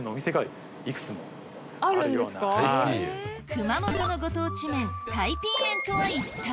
熊本のご当地麺タイピーエンとは一体？